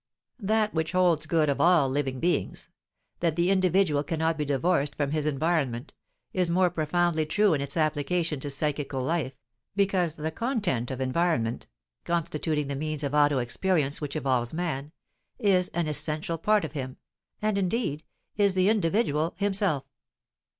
That which holds good of all living beings: that the individual cannot be divorced from his environment, is more profoundly true in its application to psychical life, because the content of environment, constituting the means of auto experience which evolves man, is an essential part of him, and, indeed, is the individual himself.